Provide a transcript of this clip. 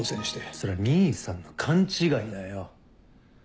そりゃ兄さんの勘違いだよ。